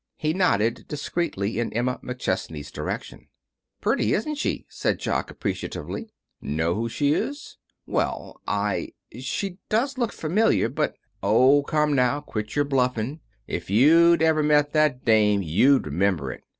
He nodded discreetly in Emma McChesney's direction. "Pretty, isn't she?" said Jock, appreciatively. "Know who she is?" "Well I she does look familiar but " "Oh, come now, quit your bluffing. If you'd ever met that dame you'd remember it.